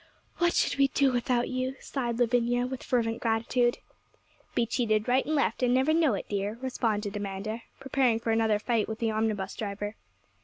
'What should we do without you?' sighed Lavinia, with fervent gratitude. 'Be cheated right and left, and never know it, dear,' responded Amanda, preparing for another fight with the omnibus driver.